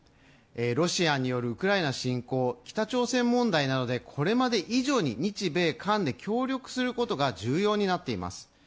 ロシアによるウクライナ侵攻、北朝鮮問題などでこれまで以上に日米韓で協力することが重要になっています。